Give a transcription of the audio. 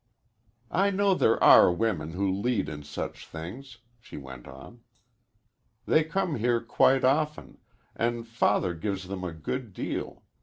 "I know there are women who lead in such things," she went on. "They come here quite often, and Father gives them a good deal.